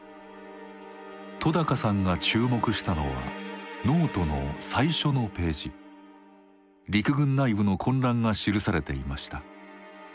戸さんが注目したのはノートの最初のページ陸軍内部の混乱が記されていました。